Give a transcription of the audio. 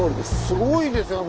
すごいですよね